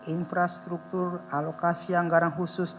infrastruktur alokasi anggaran khusus